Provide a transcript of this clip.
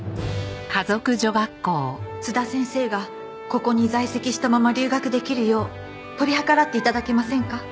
津田先生がここに在籍したまま留学できるよう取り計らって頂けませんか？